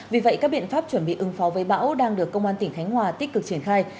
vì vậy các biện pháp chuẩn bị ứng phó với bão đang được công an tỉnh khánh hòa tích cực triển khai